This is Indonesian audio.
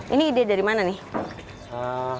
ini ide dari mana nih